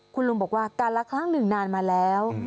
คุณลุงบอกว่าการละครั้งหนึ่งนานมาแล้ว